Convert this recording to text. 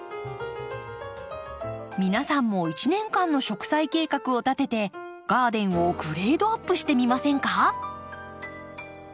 皆さんも一年間の植栽計画を立ててガーデンをグレードアップしてみませんか？